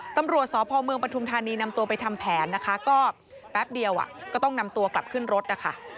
ตำรวจสพเมืองปฐุมธานีนำตัวไปทำแผนนะคะก็แป๊บเดียวก็ต้องนำตัวกลับขึ้นรถนะคะ